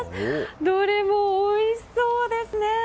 どれもおいしそうですね。